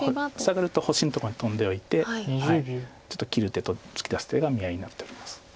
サガると星のとこにトンでおいてちょっと切る手と突き出す手が見合いになっております。